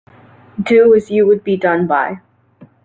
Do as you would be done by.